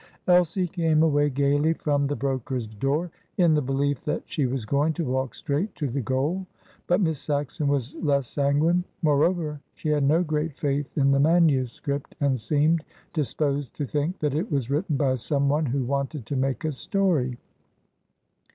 Elsie came away gaily from the broker's door, in the belief that she was going to walk straight to the goal. But Miss Saxon was less sanguine. Moreover, she had no great faith in the manuscript, and seemed disposed to think that it was written by some one who wanted to make a story.